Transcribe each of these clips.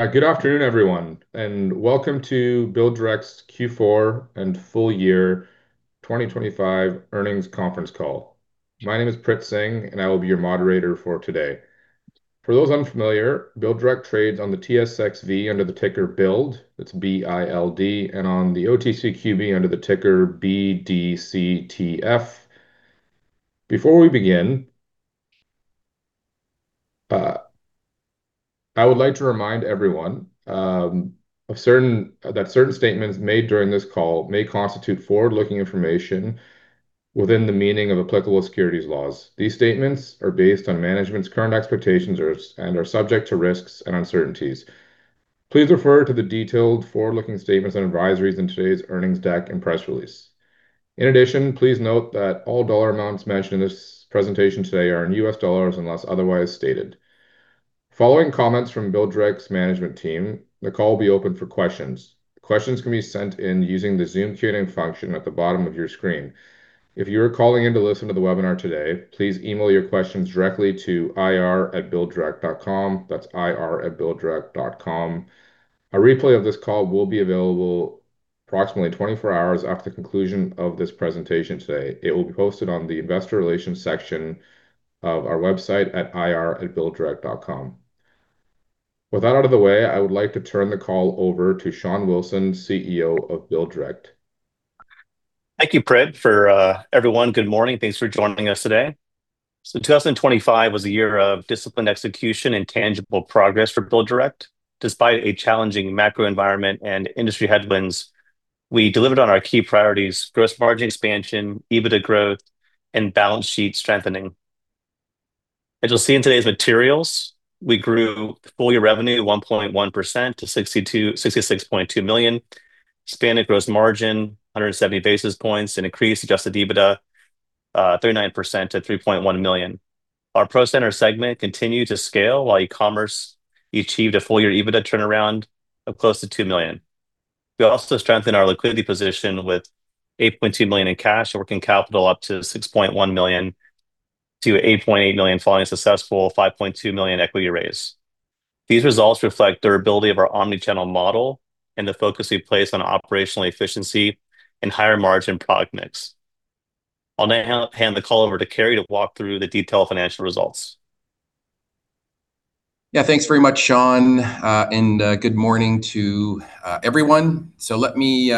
Good afternoon, everyone, and Welcome to BuildDirect's Q4 and Full Year 2025 Earnings Conference Call. My name is Prit Singh, and I will be your moderator for today. For those unfamiliar, BuildDirect trades on the TSXV under the ticker BILD. That's B-I-L-D, and on the OTCQB under the ticker BDCTF. Before we begin, I would like to remind everyone that certain statements made during this call may constitute forward-looking information within the meaning of applicable securities laws. These statements are based on management's current expectations and are subject to risks and uncertainties. Please refer to the detailed forward-looking statements and advisories in today's earnings deck and press release. In addition, please note that all dollar amounts mentioned in this presentation today are in U.S. dollars unless otherwise stated. Following comments from BuildDirect's management team, the call will be open for questions. Questions can be sent in using the Zoom Q&A function at the bottom of your screen. If you are calling in to listen to the webinar today, please email your questions directly to ir@builddirect.com. That's ir@builddirect.com. A replay of this call will be available approximately 24 hours after conclusion of this presentation today. It will be posted on the investor relations section of our website at ir@builddirect.com. With that out of the way, I would like to turn the call over to Shawn Wilson, CEO of BuildDirect. Thank you, Prit. For everyone, good morning. Thanks for joining us today. 2025 was a year of disciplined execution and tangible progress for BuildDirect. Despite a challenging macro environment and industry headwinds, we delivered on our key priorities, gross margin expansion, EBITDA growth, and balance sheet strengthening. As you'll see in today's materials, we grew full-year revenue 1.1% to $66.2 million, expanded gross margin 170 basis points, and increased adjusted EBITDA 39% to $3.1 million. Our Pro Center segment continued to scale while e-commerce achieved a full-year EBITDA turnaround of close to $2 million. We also strengthened our liquidity position with $8.2 million in cash and working capital up to $6.1 million-$8.8 million following a successful $5.2 million equity raise. These results reflect durability of our omnichannel model and the focus we place on operational efficiency and higher-margin product mix. I'll now hand the call over to Kerry to walk through the detailed financial results. Yeah. Thanks very much, Shawn, and good morning to everyone. Let me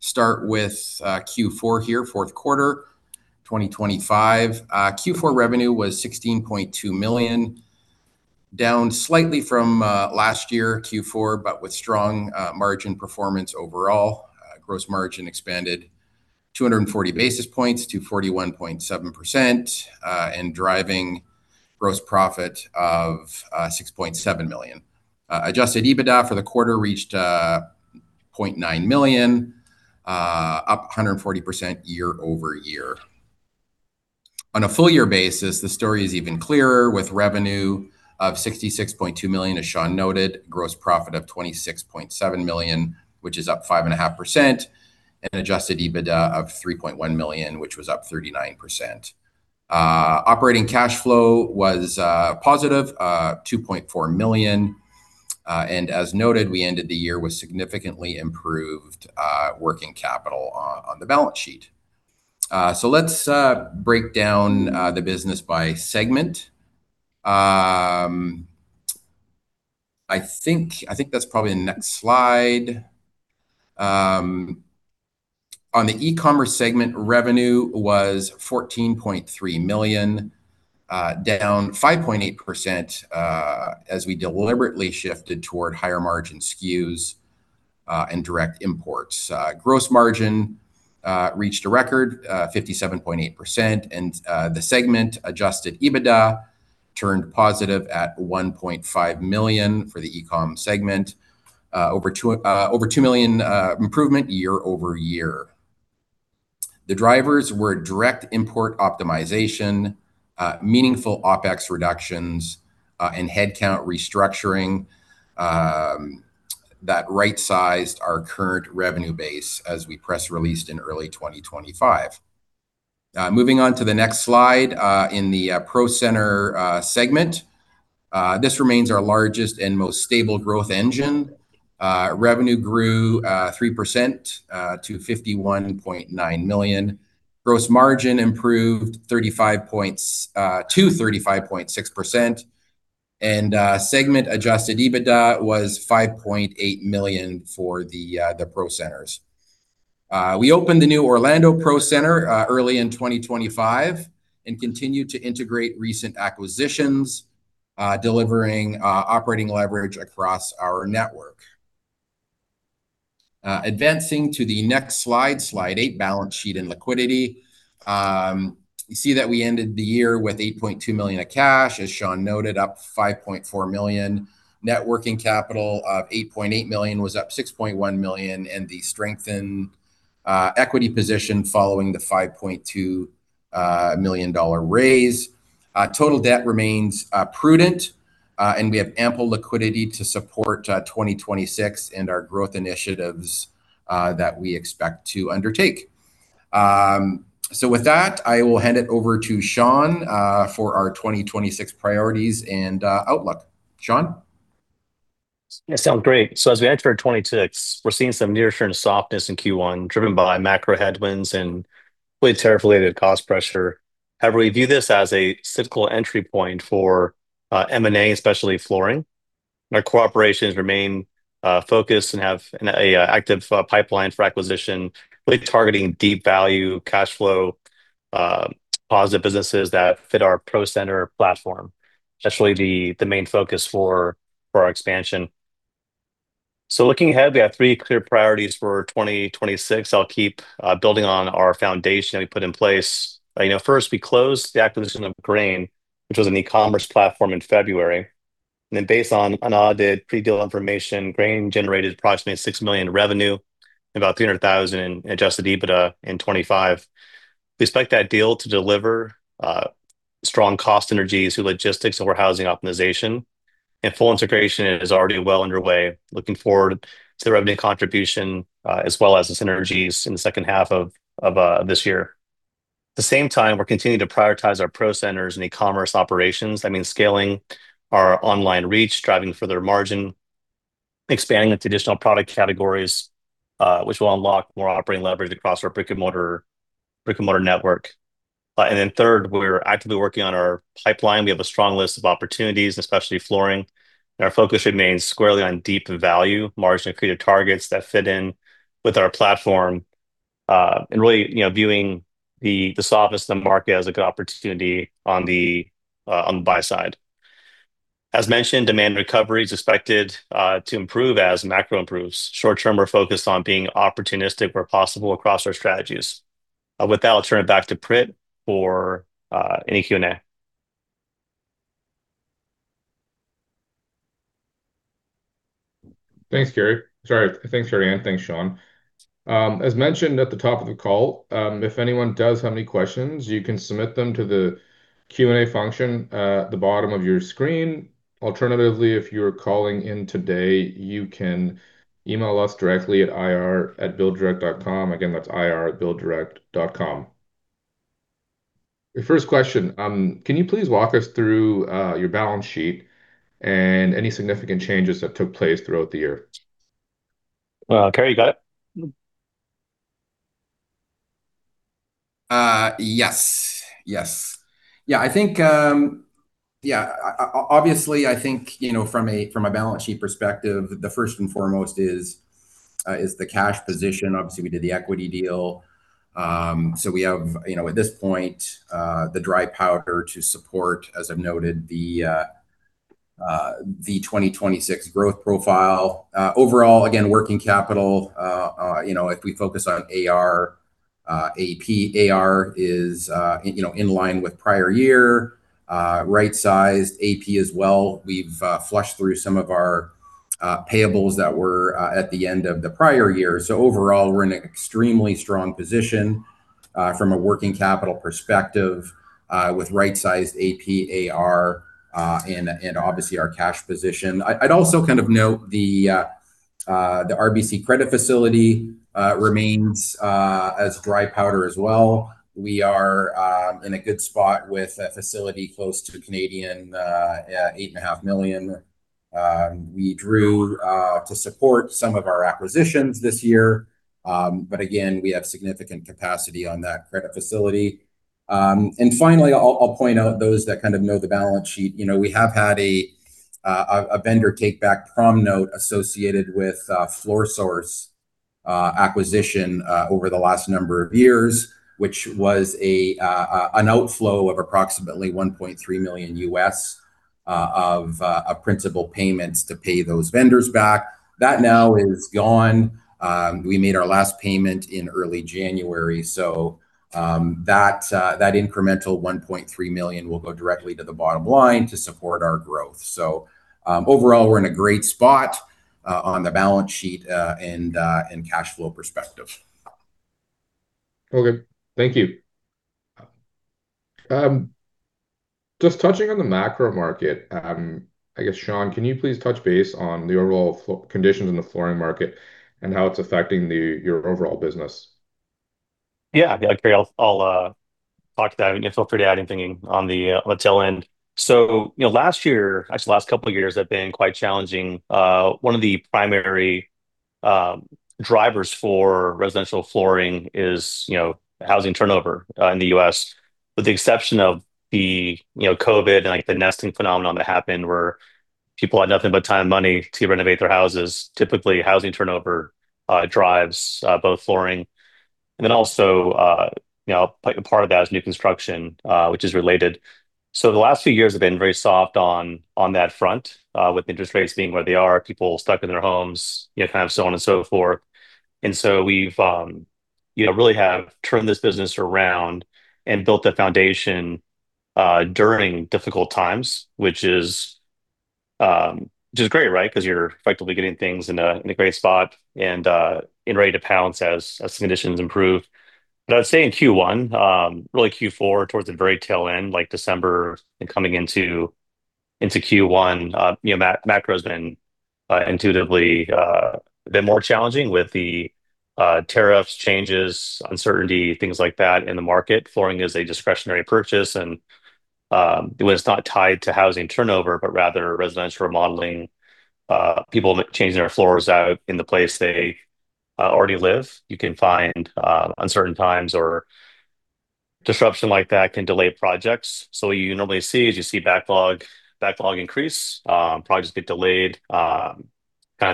start with Q4 here, fourth quarter 2025. Q4 revenue was $16.2 million, down slightly from last year Q4, but with strong margin performance overall. Gross margin expanded 240 basis points to 41.7%, and driving gross profit of $6.7 million. Adjusted EBITDA for the quarter reached $0.9 million, up 140% year-over-year. On a full-year basis, the story is even clearer with revenue of $66.2 million, as Shawn noted, gross profit of $26.7 million, which is up 5.5%, and adjusted EBITDA of $3.1 million, which was up 39%. Operating cash flow was positive, $2.4 million. As noted, we ended the year with significantly improved working capital on the balance sheet. Let's break down the business by segment. I think that's probably the next slide. On the e-commerce segment, revenue was $14.3 million, down 5.8% as we deliberately shifted toward higher-margin SKUs and direct imports. Gross margin reached a record, 57.8%, and the segment-adjusted EBITDA turned positive at $1.5 million for the e-com segment, over $2 million improvement year-over-year. The drivers were direct import optimization, meaningful OpEx reductions, and headcount restructuring that right-sized our current revenue base as we press released in early 2025. Moving on to the next slide, in the Pro Center segment, this remains our largest and most stable growth engine. Revenue grew 3% to $51.9 million. Gross margin improved to 35.6%, and segment-adjusted EBITDA was $5.8 million for the Pro Centers. We opened the new Orlando Pro Center early in 2025 and continued to integrate recent acquisitions, delivering operating leverage across our network. Advancing to the next slide eight, balance sheet and liquidity. You see that we ended the year with $8.2 million of cash, as Shawn noted, up $5.4 million. Net working capital of $8.8 million was up $6.1 million, and the strengthened equity position following the $5.2 million raise. Total debt remains prudent, and we have ample liquidity to support 2026 and our growth initiatives that we expect to undertake. With that, I will hand it over to Shawn for our 2026 priorities and outlook. Shawn? Yeah, sounds great. As we enter 2026, we're seeing some near-term softness in Q1 driven by macro headwinds and really tariff-related cost pressure. However, we view this as a cyclical entry point for M&A, especially flooring. Our operations remain focused and have an active pipeline for acquisition, really targeting deep value, cash flow positive businesses that fit our Pro Center platform. That's really the main focus for our expansion. Looking ahead, we have three clear priorities for 2026. I'll keep building on our foundation that we put in place. First, we closed the acquisition of Greyne, which was an e-commerce platform, in February. Based on audited pre-deal information, Greyne generated approximately $6 million in revenue and about $300,000 in adjusted EBITDA in 2025. We expect that deal to deliver strong cost synergies through logistics and warehousing optimization, and full integration is already well underway. looking forward to the revenue contribution, as well as the synergies in the second half of this year. At the same time, we're continuing to prioritize our Pro Centers and e-commerce operations. That means scaling our online reach, driving further margin, expanding into additional product categories, which will unlock more operating leverage across our brick-and-mortar network. Third, we're actively working on our pipeline. We have a strong list of opportunities, especially flooring. Our focus remains squarely on deep value, margin-accretive targets that fit in with our platform, really viewing the softness of the market as a good opportunity on the buy side. As mentioned, demand recovery is expected to improve as macro improves. Short-term, we're focused on being opportunistic where possible across our strategies. With that, I'll turn it back to Prit for any Q&A. Thanks, Kerry, and thanks, Shawn. As mentioned at the top of the call, if anyone does have any questions, you can submit them to the Q&A function at the bottom of your screen. Alternatively, if you're calling in today, you can email us directly at ir@builddirect.com. Again, that's ir@builddirect.com. The first question, can you please walk us through your balance sheet and any significant changes that took place throughout the year? Kerry, you got it? Yes. Yeah. Obviously, I think, from a balance sheet perspective, the first and foremost is the cash position. Obviously, we did the equity deal. We have, at this point, the dry powder to support, as I've noted, the 2026 growth profile. Overall, again, working capital, if we focus on AR, AP, AR is in line with prior year, right-sized. AP as well. We've flushed through some of our payables that were at the end of the prior year. Overall, we're in an extremely strong position from a working capital perspective, with right-sized AP, AR, and obviously our cash position. I'd also kind of note the RBC credit facility remains as dry powder as well. We are in a good spot with a facility close to 8.5 million. We drew to support some of our acquisitions this year. Again, we have significant capacity on that credit facility. Finally, I'll point out those that kind of know the balance sheet. We have had a vendor take back prom note associated with Floor Source acquisition over the last number of years, which was an outflow of approximately $1.3 million of principal payments to pay those vendors back. That now is gone. We made our last payment in early January, so that incremental $1.3 million will go directly to the bottom line to support our growth. Overall, we're in a great spot on the balance sheet and cash flow perspective. Thank you. Just touching on the macro market, I guess, Shawn, can you please touch base on the overall conditions in the flooring market and how it's affecting your overall business? Yeah. Prit, I'll talk to that, and feel free to add anything on the tail end. Last year, actually the last couple of years have been quite challenging. One of the primary drivers for residential flooring is housing turnover in the U.S., with the exception of the COVID and, like, the nesting phenomenon that happened where people had nothing but time and money to renovate their houses. Typically, housing turnover drives both flooring and then also, part of that is new construction, which is related. The last few years have been very soft on that front, with interest rates being where they are, people stuck in their homes, kind of so on and so forth. We really have turned this business around and built a foundation during difficult times, which is great, right? Because you're effectively getting things in a great spot and in ready to pounce as conditions improve. I would say in Q1, really Q4 towards the very tail end, like December and coming into Q1, macro has been intuitively been more challenging with the tariffs changes, uncertainty, things like that in the market. Flooring is a discretionary purchase, and when it's not tied to housing turnover, but rather residential remodeling, people changing their floors out in the place they already live, you can find uncertain times or disruption like that can delay projects. What you normally see is you see backlog increase, projects get delayed, kind of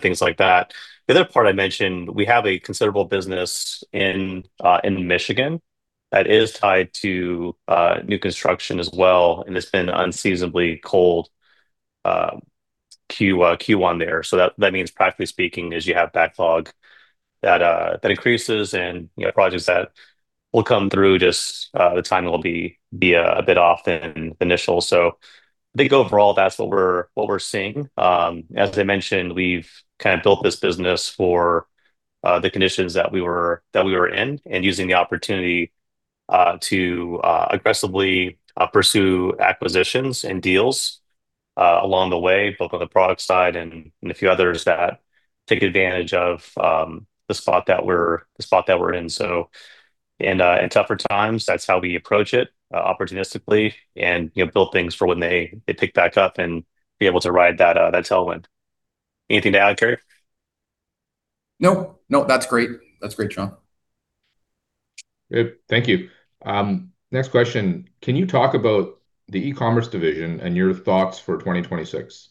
things like that. The other part I mentioned, we have a considerable business in Michigan that is tied to new construction as well, and it's been unseasonably cold Q1 there. That means practically speaking is you have backlog that increases and projects that will come through, just the timing will be a bit off than initial. I think overall that's what we're seeing. As I mentioned, we've kind of built this business for the conditions that we were in and using the opportunity to aggressively pursue acquisitions and deals along the way, both on the product side and a few others that take advantage of the spot that we're in. In tougher times, that's how we approach it, opportunistically and build things for when they pick back up and be able to ride that tailwind. Anything to add, Kerry? No, that's great, Shawn. Great. Thank you. Next question. Can you talk about the e-commerce division and your thoughts for 2026?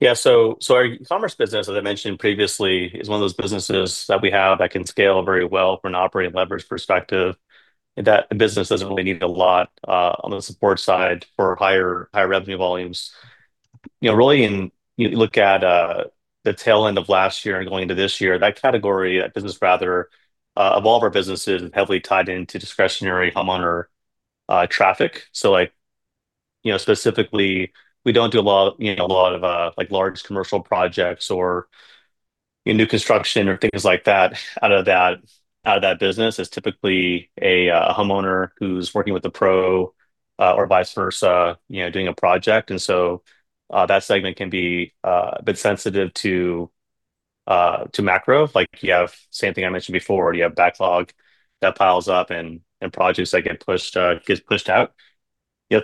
Yeah. Our e-commerce business, as I mentioned previously, is one of those businesses that we have that can scale very well from an operating leverage perspective, and that business doesn't really need a lot on the support side for higher revenue volumes. Really, when you look at the tail end of last year and going into this year, that category, that business rather, of all of our businesses is heavily tied into discretionary homeowner traffic. Specifically, we don't do a lot of large commercial projects or new construction or things like that out of that business. It's typically a homeowner who's working with a pro or vice versa doing a project. That segment can be a bit sensitive to macro. Like, same thing I mentioned before, you have backlog that piles up and projects that get pushed out.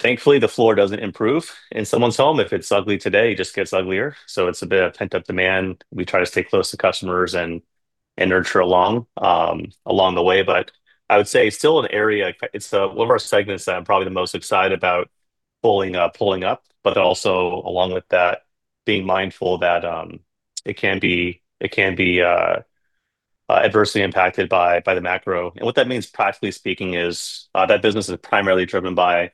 Thankfully, the floor doesn't improve in someone's home. If it's ugly today, it just gets uglier. So it's a bit of pent-up demand. We try to stay close to customers and nurture along the way. But I would say it's still an area, it's one of our segments that I'm probably the most excited about pulling up, but then also along with that, being mindful that it can be adversely impacted by the macro. And what that means, practically speaking, is that business is primarily driven by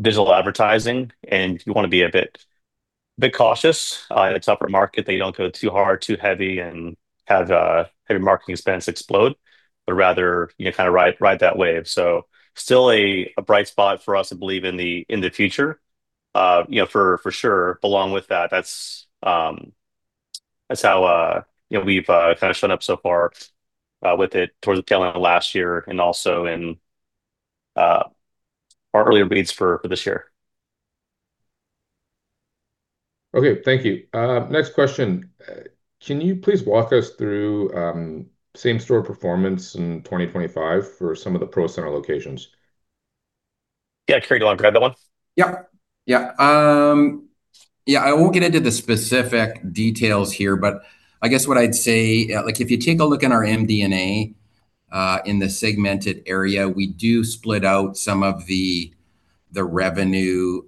digital advertising, and you want to be a bit cautious in a tougher market that you don't go too hard, too heavy, and have heavy marketing expense explode, but rather, kind of ride that wave. So still a bright spot for us, I believe, in the future for sure. Along with that's how we've kind of shown up so far with it towards the tail end of last year and also in our earlier reads for this year. Okay. Thank you. Next question. Can you please walk us through same-store performance in 2025 for some of the Pro Center locations? Yeah. Kerry, do you want to grab that one? Yeah. I won't get into the specific details here, but I guess what I'd say, if you take a look at our MD&A in the segmented area, we do split out some of the revenue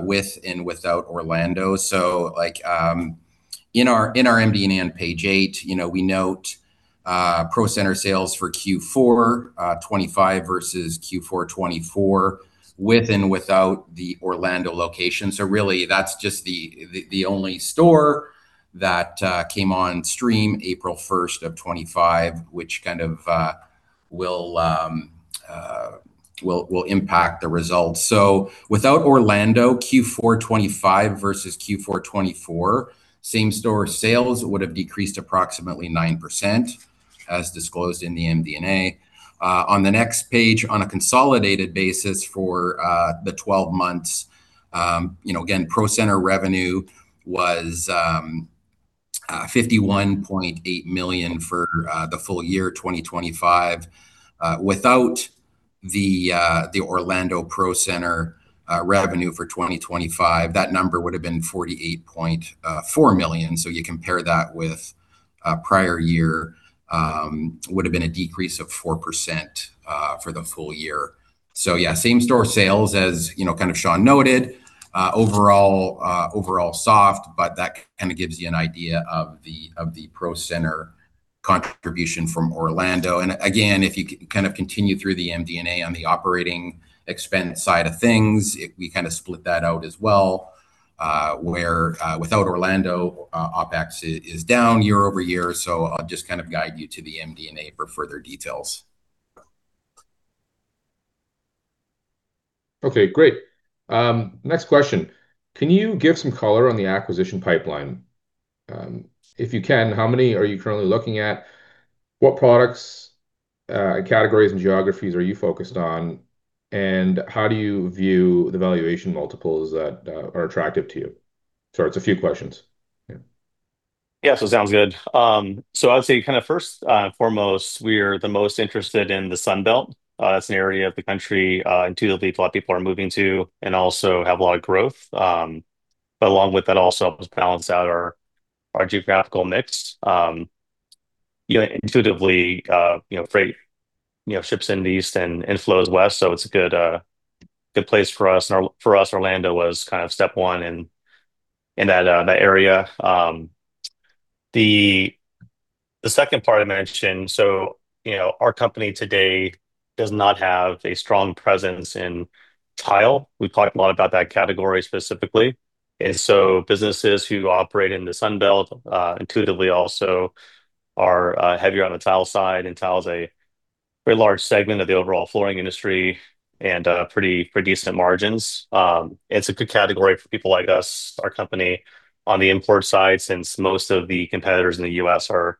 with and without Orlando. In our MD&A on page eight, we note Pro Center sales for Q4 2025 versus Q4 2024 with and without the Orlando location. Really that's just the only store that came on stream April first of 2025, which kind of will impact the results. Without Orlando Q4 2025 versus Q4 2024, same-store sales would have decreased approximately 9%, as disclosed in the MD&A. On the next page, on a consolidated basis for the 12 months, again, Pro Center revenue was $51.8 million for the full year 2025. Without the Orlando Pro Center revenue for 2025, that number would have been $48.4 million. You compare that with prior year, would've been a decrease of 4% for the full year. Yeah, same-store sales, as kind of Shawn noted, overall soft, but that kind of gives you an idea of the Pro Center contribution from Orlando. Again, if you kind of continue through the MD&A on the operating expense side of things, we kind of split that out as well, where without Orlando, OpEx is down year-over-year, so I'll just kind of guide you to the MD&A for further details. Okay, great. Next question. Can you give some color on the acquisition pipeline? If you can, how many are you currently looking at? What products, categories, and geographies are you focused on, and how do you view the valuation multiples that are attractive to you? Sorry, it's a few questions. Yeah. Yeah. Sounds good. I would say first and foremost, we're the most interested in the Sun Belt. That's an area of the country intuitively a lot of people are moving to and also have a lot of growth. Along with that also helps balance out our geographical mix. Intuitively, freight ships in the East and flows West, so it's a good place for us. For us, Orlando was step one in that area. The second part I mentioned, so our company today does not have a strong presence in tile. We've talked a lot about that category specifically, and so businesses who operate in the Sun Belt, intuitively also are heavier on the tile side, and tile's a very large segment of the overall flooring industry and pretty decent margins. It's a good category for people like us, our company, on the import side, since most of the competitors in the U.S. are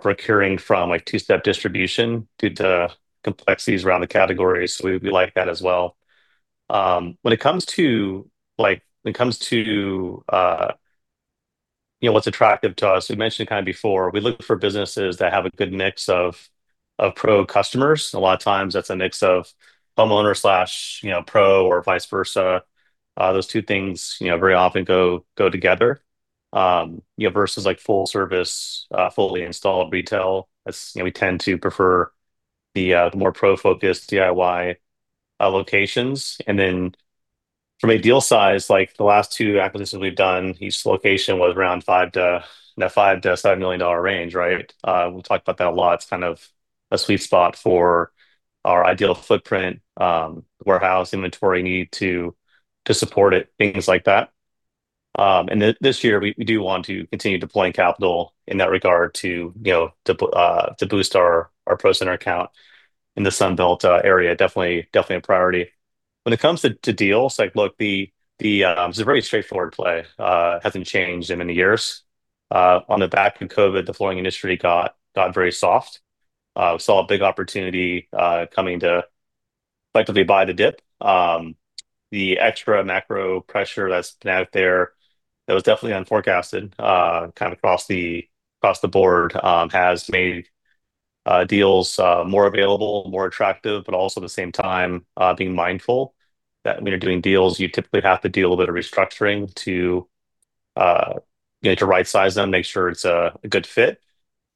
procuring from two-step distribution due to complexities around the categories. We like that as well. When it comes to what's attractive to us, we mentioned before, we look for businesses that have a good mix of pro customers. A lot of times that's a mix of homeowner/pro or vice versa. Those two things very often go together, versus full-service, fully installed retail. We tend to prefer the more pro-focused DIY locations. From a deal size, the last two acquisitions we've done, each location was around the $5 million-$7 million range. Right? We've talked about that a lot. It's a sweet spot for our ideal footprint, warehouse inventory need to support it, things like that. This year, we do want to continue deploying capital in that regard to boost our Pro Center account in the Sun Belt area, definitely a priority. When it comes to deals, look, it's a very straightforward play, hasn't changed in many years. On the back of COVID, the flooring industry got very soft. We saw a big opportunity coming to effectively buy the dip. The extra macro pressure that's been out there that was definitely unforecasted, across the board, has made deals more available, more attractive, but also at the same time, being mindful that when you're doing deals, you typically have to do a little bit of restructuring to right-size them, make sure it's a good fit.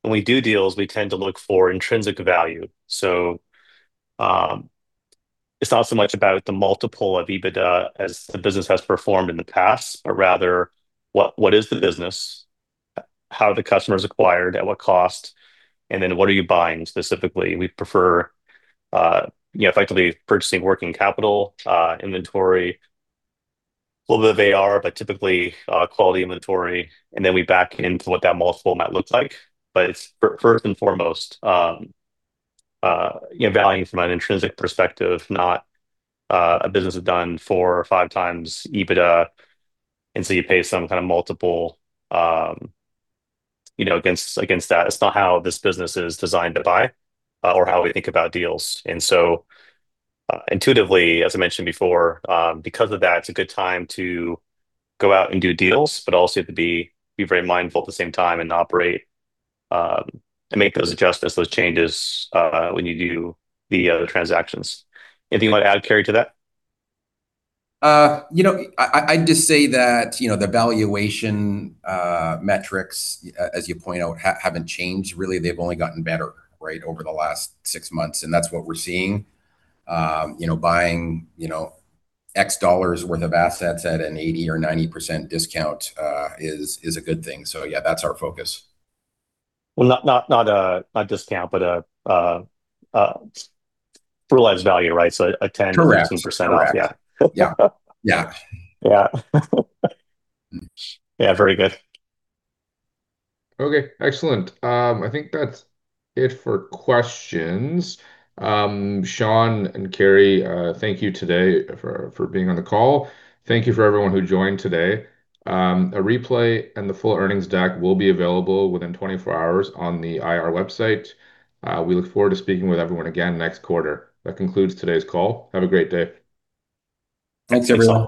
When we do deals, we tend to look for intrinsic value. It's not so much about the multiple of EBITDA as the business has performed in the past, but rather what is the business? How are the customers acquired? At what cost? What are you buying specifically? We prefer effectively purchasing working capital, inventory, a little bit of AR, but typically quality inventory. We back into what that multiple might look like. It's first and foremost, valuing from an intrinsic perspective, not a business done 4x or 5x EBITDA, and so you pay some kind of multiple against that. It's not how this business is designed to buy or how we think about deals. Intuitively, as I mentioned before, because of that, it's a good time to go out and do deals, but also to be very mindful at the same time and operate, and make those adjustments, those changes, when you do the transactions. Anything you want to add, Kerry, to that? I'd just say that the valuation metrics, as you point out, haven't changed, really. They've only gotten better, right, over the last six months, and that's what we're seeing. Buying $X worth of assets at an 80 or 90% discount is a good thing. Yeah, that's our focus. Well, not a discount, but a realized value, right, a 10? Correct. 15% off. Yeah. Yeah. Yeah. Very good. Okay, excellent. I think that's it for questions. Shawn and Kerry, thank you today for being on the call. Thank you for everyone who joined today. A replay and the full earnings deck will be available within 24 hours on the IR website. We look forward to speaking with everyone again next quarter. That concludes today's call. Have a great day. Thanks, everyone.